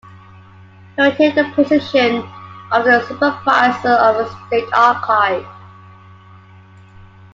He retained the position of the supervisor of the State Archive.